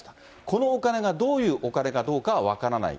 このお金がどういうお金かどうかは分からない。